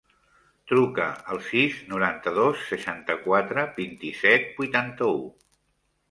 Truca al sis, noranta-dos, seixanta-quatre, vint-i-set, vuitanta-u.